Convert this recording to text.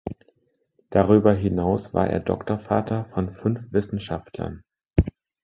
Darüber hinaus war er Doktorvater von fünf Wissenschaftlern.